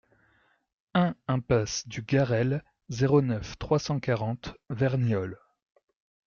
un impasse du Garrel, zéro neuf, trois cent quarante Verniolle